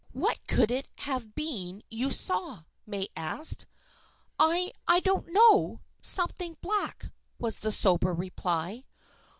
"What could it have been you saw?" May asked. "I I don't know. Something black," was the sober reply.